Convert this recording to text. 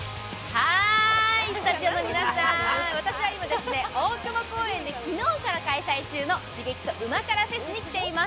スタジオの皆さん、私は今、大久保公園で昨日から開催中の刺激と旨辛ＦＥＳに来ています。